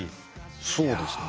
そうですね。